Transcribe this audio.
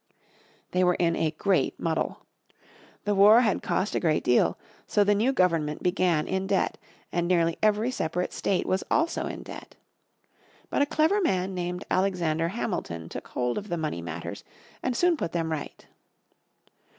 They were in a great muddle. The war had cost a great deal, so the new government began in debt and nearly every separate state was also in debt. But a clever man named Alexander Hamilton took hold of the money matters and soon put them right.